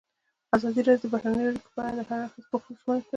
ازادي راډیو د بهرنۍ اړیکې په اړه د هر اړخیز پوښښ ژمنه کړې.